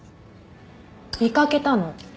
見掛けたの。